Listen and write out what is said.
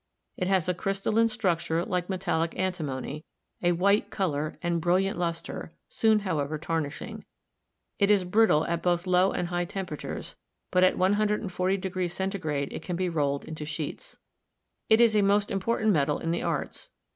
It has a crystalline structure like metallic antimony, a white color, and bril liant luster, soon, however, tarnishing. It is brittle at both low and high temperatures, but at 140 Centrigrade it can be rolled into sheets. It is a most important metal in the arts.